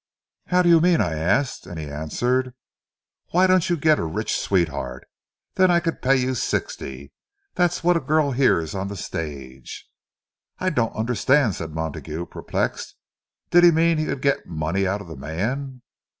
'How do you mean?' I asked; and he answered, 'Why don't you get a rich sweetheart? Then I could pay you sixty.' That's what a girl hears on the stage!" "I don't understand," said Montague, perplexed. "Did he mean he could get money out of the man?"